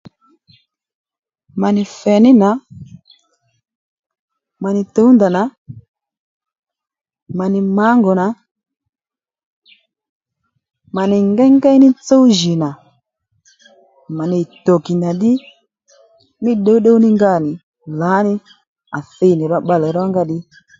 Mà nì fěné nà mà nì tǔwndà nà mà nì mǎngù nà mà nì ngéyngéy ní tsúw jì nà mà nì tòkì nà ddí mí ddǔwddǔw ní nga nì lǎní à thi nì bbalè rónga ddí